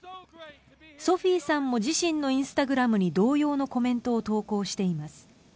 ソフィーさんも自身のインスタグラムに同様のコメントを投稿しています。